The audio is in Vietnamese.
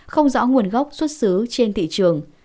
không rõ nguồn gốc xuất xứ trên thị trường